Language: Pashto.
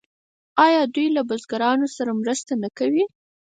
آیا دوی له بزګرانو سره مرسته نه کوي؟